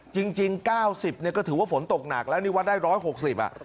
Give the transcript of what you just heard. จริงจริงเก้าสิบเนี่ยก็ถือว่าฝนตกหนักแล้วนี่วัดได้ร้อยหกสิบอ่ะ